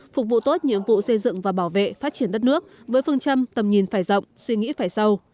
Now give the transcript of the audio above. phục vụ tốt nhiệm vụ xây dựng và bảo vệ phát triển đất nước với phương châm tầm nhìn phải rộng suy nghĩ phải sâu